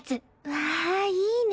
わあいいね。